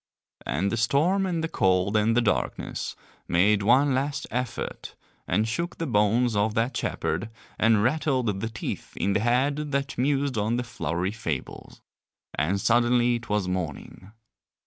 And the storm and the cold and the darkness made one last effort, and shook the bones of that shepherd, and rattled the teeth in the head that mused on the flowery fables, and suddenly it was morning.